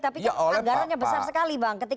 tapi kan anggarannya besar sekali bang